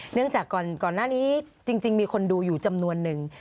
จากก่อนหน้านี้จริงมีคนดูอยู่จำนวนนึง